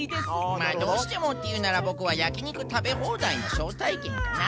まあどうしてもっていうならボクはやきにくたべほうだいのしょうたいけんかな。